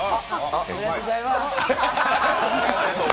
ありがとうございます。